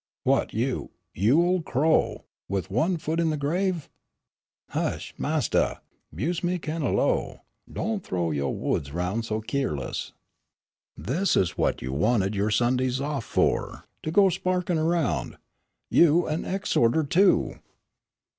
"What you, you old scarecrow, with one foot in the grave!" "Heish, Mastah, 'buse me kin' o' low. Don't th'ow yo' words 'roun' so keerless." "This is what you wanted your Sundays off for, to go sparking around you an exhorter, too."